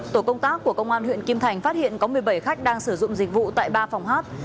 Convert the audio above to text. tổ công tác của công an huyện kim thành phát hiện có một mươi bảy khách đang sử dụng dịch vụ tại ba phòng hát